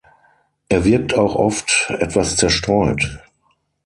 Er wirkt auch oft etwas zerstreut.